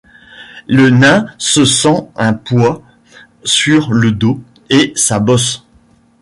Le nain se sent un poids sur le dos, et sa bosse